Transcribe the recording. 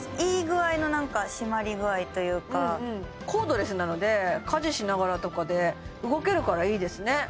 いい具合のなんか締まり具合というかコードレスなので家事しながらとかで動けるからいいですね